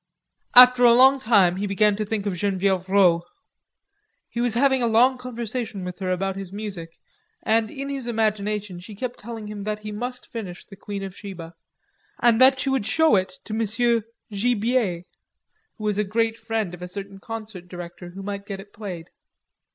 After a long time he began to think of Genevieve Rod. He was having a long conversation with her about his music, and in his imagination she kept telling him that he must finish the "Queen of Sheba," and that she would show it to Monsieur Gibier, who was a great friend of a certain concert director, who might get it played.